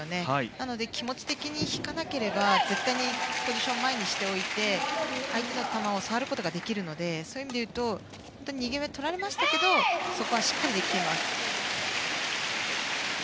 なので、気持ち的に引かなければポジションを前にしておいて相手の球を触れるのでそういう意味でいうと２ゲーム目は取られましたがそこはしっかりできています。